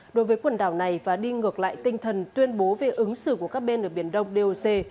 đối với quần đảo này và đi ngược lại tinh thần tuyên bố về ứng xử của các bên ở biển đông doc